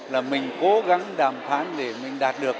là mình cố gắng đàm phán để mình đạt được